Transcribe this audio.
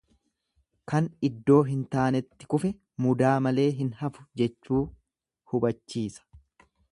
Kan iddoo hin taanetti kufe mudaa malee hin hafu jechuu hubachiisa.